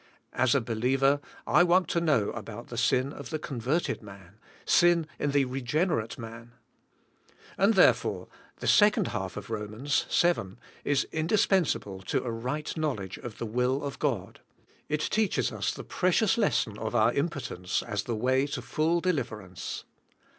As a believer, I want to know how about the sin of the converted man, sin in the re generate man. And therefore the second half of Romans, seven, is indispensable to a rig ht knowl edge of the will of God, it teaches us the precious lesson of our impotence, as the way to full deliver ance.